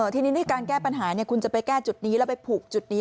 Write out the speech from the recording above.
ทีนี้ในการแก้ปัญหาคุณจะไปแก้จุดนี้แล้วไปผูกจุดนี้